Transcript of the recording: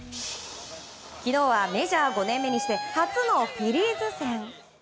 昨日はメジャー５年目にして初のフィリーズ戦。